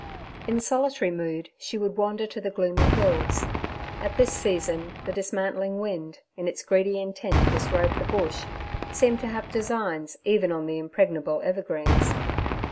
In solitary mood she would wander to the gloomy hills. At this season the dismantling wind, in its greedy intent to disrobe the Bush, seemed to have designs even on the impregnable evergreens.